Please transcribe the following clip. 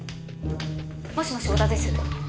もしもし織田です。